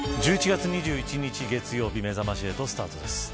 １１月２１日月曜日めざまし８スタートです。